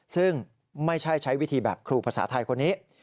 ซึ่งไม่ใช่ใช้วิธีแบบครูภาษาไทยคนนี้